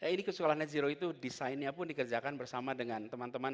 ini ke sekolah net zero itu desainnya pun dikerjakan bersama dengan teman teman